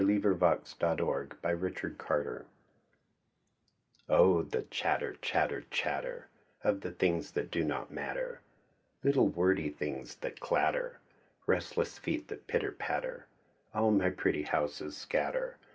THE SAD YEARS THE HOUSE OF CARDS OTHE chatter, chatter, chatter, Of the things that do not matter. Little wordy things that clatter. Restless feet that pitter patter. All my pretty houses scatter.